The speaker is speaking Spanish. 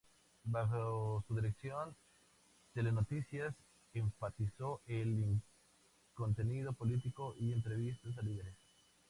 Bajo su dirección, "Telenoticias" enfatizó el contenido político y entrevistas a líderes.